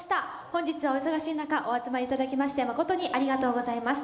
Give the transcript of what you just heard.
本日はお忙しい中お集まりいただきましてまことにありがとうございます。